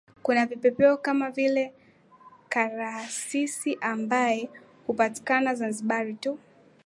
Kuna Vipepeo kama vile Karasisi ambaye hupatiakana Zanzibar tu